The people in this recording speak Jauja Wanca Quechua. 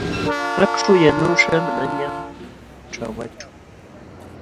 Akśhu yanuśhqa manañan ćhawachu.